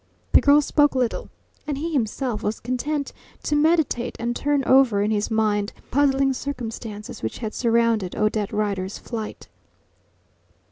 The girl spoke little, and he himself was content to meditate and turn over in his mind the puzzling circumstances which had surrounded Odette Rider's flight.